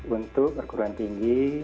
untuk perguruan tinggi